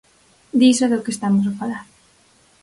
Diso é do que estamos a falar.